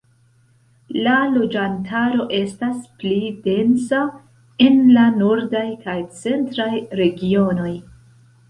La loĝantaro estas pli densa en la nordaj kaj centraj regionoj.